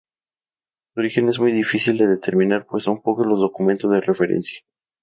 Su origen es muy difícil de determinar pues son pocos los documentos de referencia.